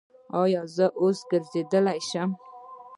ایا زه اوس ګرځیدلی شم؟